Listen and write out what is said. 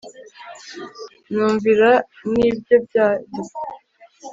kurumvira nibyo biduteye aya amakuba yose